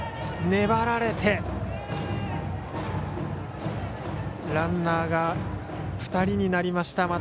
粘られてランナーが２人になりました。